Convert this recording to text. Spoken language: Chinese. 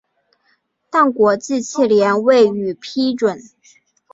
但国际汽联未予批准。